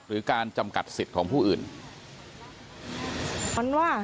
หรือการจำกัดสิทธิ์ของผู้อื่น